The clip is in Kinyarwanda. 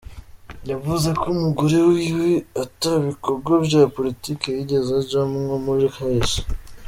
Yavuze ko umugore wiwe ata bikogwa vya politike yigeze ajamwo muri kahise.